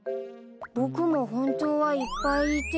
僕も本当はいっぱいいて。